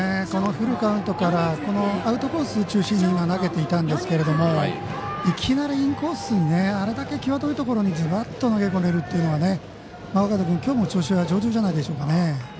このフルカウントからアウトコース中心に投げていたんですけれどもいきなり、インコースにあれだけきわどいところにズバッと投げ込めるのはマーガード君、きょうも調子は上々じゃないですかね。